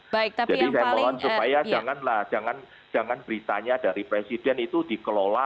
jadi saya mohon supaya janganlah jangan beritanya dari presiden itu dikelola